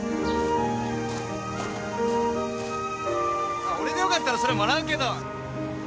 あっ俺でよかったらそれもらうけど。